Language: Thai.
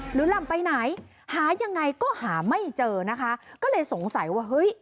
หล่ำไปไหนหายังไงก็หาไม่เจอนะคะก็เลยสงสัยว่าเฮ้ย